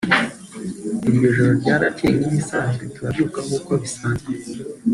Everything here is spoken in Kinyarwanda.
Iryo joro ryarakeye nk’ibisanzwe turabyuka uko bisanzwe